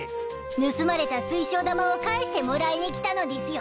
盗まれた水晶玉を返してもらいにきたのでぃすよ。